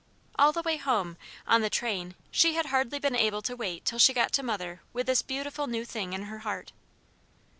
All the way home, on the train, she had hardly been able to wait till she got to Mother with this beautiful new thing in her heart.